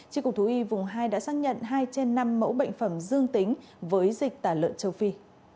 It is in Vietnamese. tri cục thú y vùng hai đã xác nhận hai trên năm mẫu bệnh phẩm dương tính với dịch tả lợn châu phi